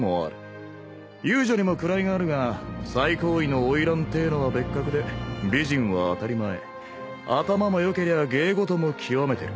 遊女にも位があるが最高位の花魁ってえのは別格で美人は当たり前頭も良けりゃ芸事も極めてる。